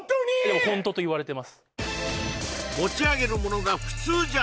でもホントといわれてます